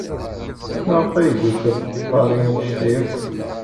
Maɣef ay yukeḍ Paris anect-a akk?